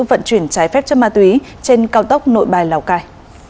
cảnh sát đã chuyển trái phép cho ma túy trên cao tốc nội bài lào cai